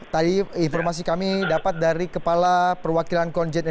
tadi informasi kami dapat dari kepala perwakilan konjen